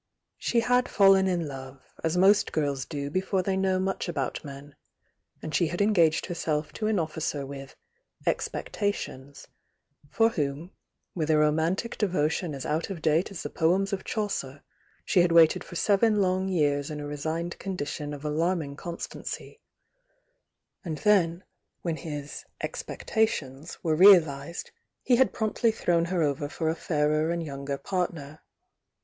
She had fallen in love, as m^t S do before they know much about men, and she had engaged herself to an officer with "expectations" for whom, with a romantic devotion as out of date as the poems of Chaucer, she had waited for seven lone years in a resigned condition of alarming constancy and then, when his "expectations" were realised he had promptly thrown her over for a fairer and ^o^u P.^"®""